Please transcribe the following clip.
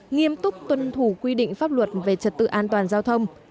nghiêm túc tuân thủ quy định pháp luật về trật tự an toàn giao thông